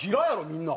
みんな。